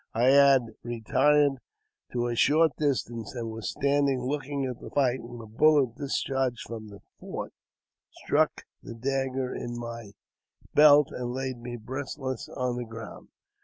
I had retired to a short distance, and was standing looking at the fight, when a bullet, discharged from the fort, struck the dagger in my belt, and laid me breathless on the ground.